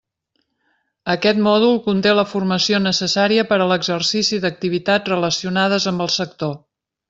Aquest mòdul conté la formació necessària per a l'exercici d'activitats relacionades amb el sector.